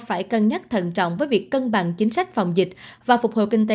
phải cân nhắc thận trọng với việc cân bằng chính sách phòng dịch và phục hồi kinh tế